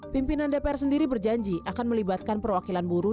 pimpinan dpr sendiri berjanji akan melibatkan perwakilan buruh